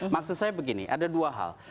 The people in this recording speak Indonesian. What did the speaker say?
maksud saya begini ada dua hal